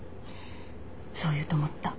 そう言うと思った。